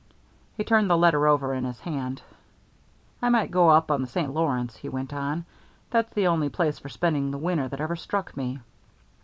He turned the letter over in his hand. "I might go up on the St. Lawrence," he went on. "That's the only place for spending the winter that ever struck me."